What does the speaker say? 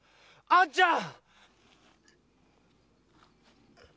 あんちゃん！